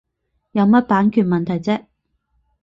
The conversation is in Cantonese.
有乜版權問題啫